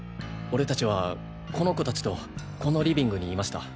俺たちはこの子たちとこのリビングにいました。